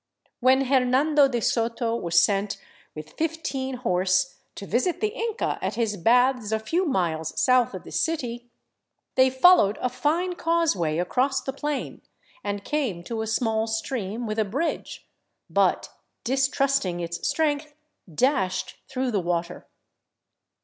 When Hernando de Soto was sent with fifteen horse to visit the Inca at his baths a few miles south of the city, " they fol lowed a fine causeway across the plain and came to a small stream with a bridge, but, distrusting its strength, dashed through the water."